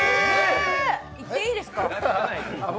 行っていいですか？